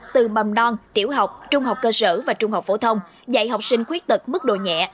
từ mầm non tiểu học trung học cơ sở và trung học phổ thông dạy học sinh khuyết tật mức độ nhẹ